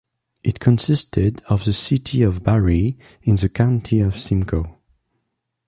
It consisted of the City of Barrie in the County of Simcoe.